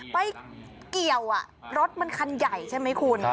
ไปเกี่ยวรถมันคันใหญ่ใช่ไหมคุณ